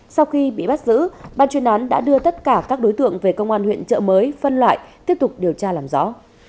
sau khi bị bắt giữ ban chuyên án đã đưa tất cả các đối tượng về công an huyện trợ mới phân loại tiếp tục điều tra làm rõ